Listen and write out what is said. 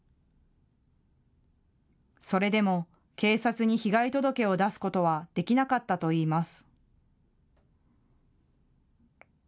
それでも警察に被害届を出すことはできなかったといいます。